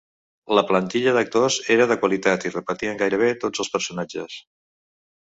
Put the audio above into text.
La plantilla d'actors era de qualitat i repetien gairebé tots els personatges.